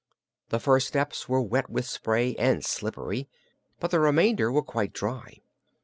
The first steps were wet with spray, and slippery, but the remainder were quite dry.